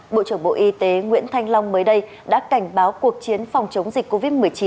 bộ trưởng bộ y tế nguyễn thanh long mới đây đã cảnh báo cuộc chiến phòng chống dịch covid một mươi chín